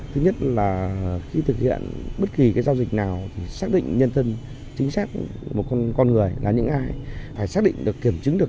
chính xác một con người là những ai phải xác định được kiểm chứng được